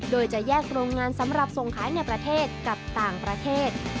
โดยจะแยกโรงงานสำหรับส่งขายในประเทศกับต่างประเทศ